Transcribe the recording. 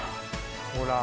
ほら。